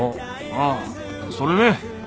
あっああそれで？